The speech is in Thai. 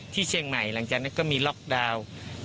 ที่เชียงใหม่หลังจากนั้นก็มีล็อกดาวน์